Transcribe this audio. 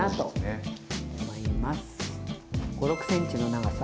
５６ｃｍの長さ。